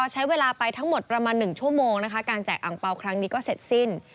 ใช้เวลาไปทั้งหมดประมาณ๑ชั่วโมงนะคะการแจกอังเปล่าครั้งนี้ก็เสร็จสิ้น